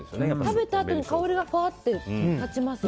食べたあとに香りがふわって立ちます。